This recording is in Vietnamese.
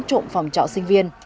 trộm phòng trọ sinh viên